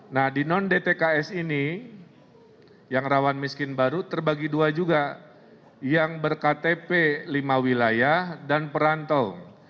nah di non dtks ini yang rawan miskin baru terbagi dua juga yang berktp lima wilayah dan perantau